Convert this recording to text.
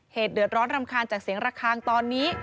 เดือดร้อนรำคาญจากเสียงระคางตอนนี้